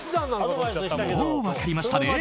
もう分かりましたね。